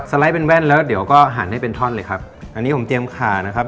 ไลด์เป็นแว่นแล้วเดี๋ยวก็หั่นให้เป็นท่อนเลยครับอันนี้ผมเตรียมขานะครับ